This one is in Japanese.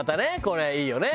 これいいよね。